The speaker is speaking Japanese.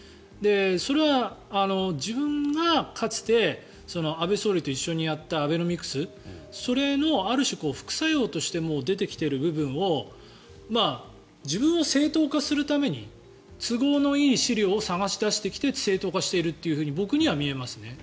それは自分がかつて安倍総理と一緒にやったアベノミクスの副作用として出てきている部分を自分を正当化するために都合のいい資料を探し出してきて正当化していると僕には見えますね。